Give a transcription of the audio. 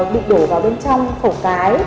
bị đổ vào bên trong khổ cái